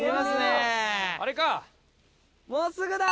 もうすぐだ。